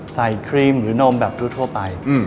ครีมหรือนมแบบทั่วไป